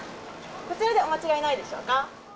こちらでお間違いないでしょうか。